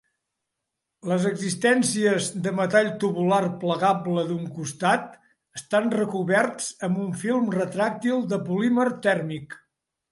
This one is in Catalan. Les existències de metall tubular plegable d'un costat estan recoberts amb un film retràctil de polímer tèrmic.